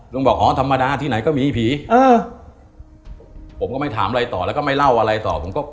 ลุงบอกอ๋อธรรมดาที่ไหนมีผีผมก็ไม่ถามอะไรต่อและก็ไม่เล่าอะไรต่อ